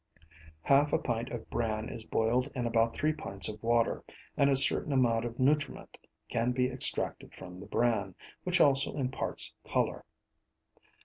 Half a pint of bran is boiled in about three pints of water, and a certain amount of nutriment can be extracted from the bran, which also imparts colour.